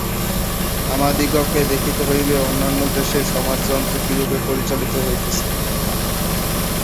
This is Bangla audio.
আমাদিগকে দেখিতে হইবে, অন্যান্য দেশে সমাজ-যন্ত্র কিরূপে পরিচালিত হইতেছে।